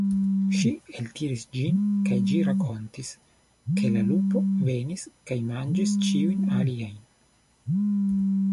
Ŝi eltiris ĝin kaj ĝi rakontis, ke la lupo venis kaj manĝis ĉiujn aliajn.